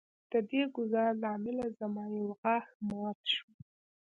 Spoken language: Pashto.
د دې ګزار له امله زما یو غاښ مات شو